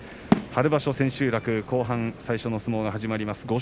春場所、千秋楽後半最初の相撲が始まります。